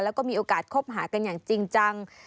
แล้วก็มีโอกาสคบหากันอย่างจริงจัง